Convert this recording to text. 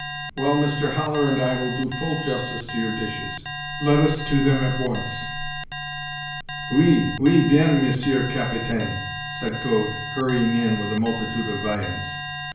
"Well, Mr Haller and I will do full justice to your dishes. Let us to them at once!" "Oui, oui! bien, Monsieur Capitaine," said Gode, hurrying in with a multitude of viands.